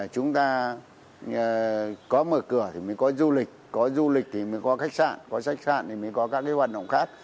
chúng ta có mở cửa thì mới có du lịch có du lịch thì mới có khách sạn có khách sạn thì mới có các hoạt động khác